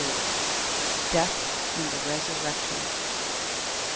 C. M. Death and the resurrection.